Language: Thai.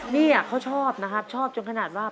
นี่เขาชอบนะครับชอบจนขนาดว่า